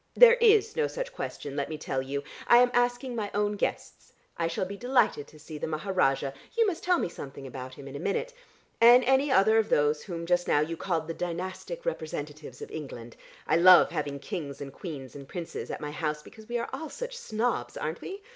There is no such question, let me tell you. I am asking my own guests. I shall be delighted to see the Maharajah (you must tell me something about him in a minute), and any other of those whom just now you called the dynastic representatives of England. I love having kings and queens and princes at my house, because we all are such snobs, aren't we?